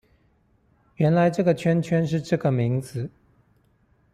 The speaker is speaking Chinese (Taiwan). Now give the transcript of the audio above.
原來這個圈圈是這個名字